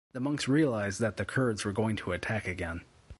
The monks realized that the Kurds were going to attack again.